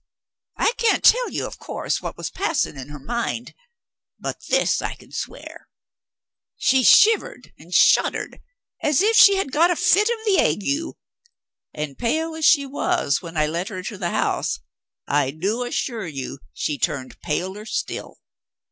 I can't tell you, of course, what was passing in her mind. But this I can swear; she shivered and shuddered as if she had got a fit of the ague; and pale as she was when I let her into the house, I do assure you she turned paler still.